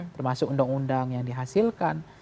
termasuk undang undang yang dihasilkan